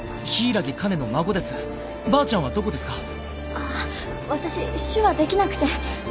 ああ私手話できなくて。